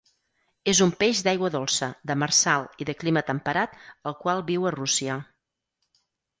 És un peix d'aigua dolça, demersal i de clima temperat, el qual viu a Rússia.